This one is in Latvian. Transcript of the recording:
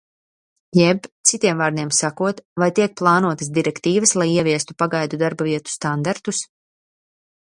Jeb, citiem vārdiem sakot, vai tiek plānotas direktīvas, lai ieviestu pagaidu darbavietu standartus?